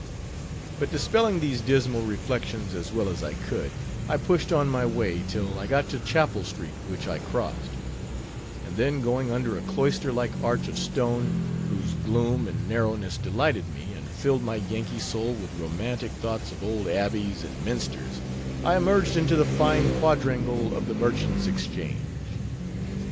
But dispelling these dismal reflections as well as I could, I pushed on my way, till I got to Chapel street, which I crossed; and then, going under a cloister like arch of stone, whose gloom and narrowness delighted me, and filled my Yankee soul with romantic thoughts of old Abbeys and Minsters, I emerged into the fine quadrangle of the Merchants' Exchange.